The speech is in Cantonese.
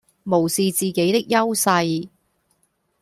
無視自己的優勢